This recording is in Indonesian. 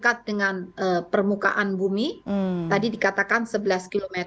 karena insecure karena sudah biasa kayak pengaruhtra wavelet